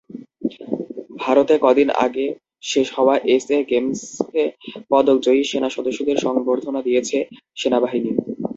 ভারতে কদিন আগে শেষ হওয়া এসএ গেমসে পদকজয়ী সেনা সদস্যদের সংবর্ধনা দিয়েছে সেনাবাহিনী।